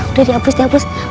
udah dihapus dihapus